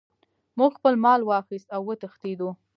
موږ خپل مال واخیست او وتښتیدو.